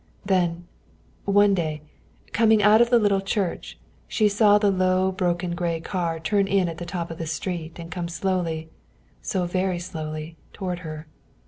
Then, one day, coming out of the little church, she saw the low broken gray car turn in at the top of the street and come slowly, so very slowly, toward her.